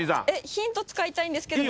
ヒント使いたいんですけど。